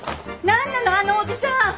何なのあのおじさん！